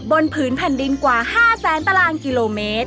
บนผืนผันดินกว่า๕๐๐ตรกิโลเมตร